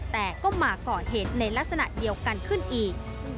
แต่ก็มาก่อเหตุในลักษณะเดียวกันขึ้นอีก